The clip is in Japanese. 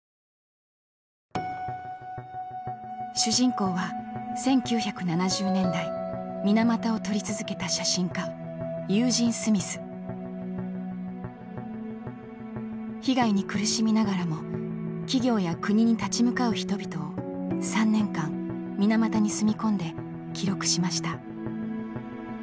主人公は１９７０年代水俣を撮り続けた被害に苦しみながらも企業や国に立ち向かう人々を３年間水俣に住み込んで記録しました。